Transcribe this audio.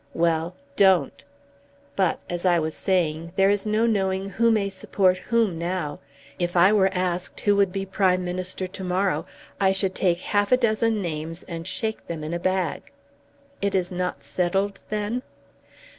"Well; don't. But, as I was saying, there is no knowing who may support whom now. If I were asked who would be Prime Minister to morrow, I should take half a dozen names and shake them in a bag." "It is not settled then?"